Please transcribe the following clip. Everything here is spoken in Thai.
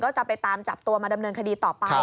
ก็จะไปตามจับตัวมาดำเนินคดีต่อไป